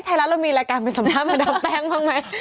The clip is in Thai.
ไทยรัฐเรามีรายการไปสัมภาษณมาดามแป้งบ้างไหม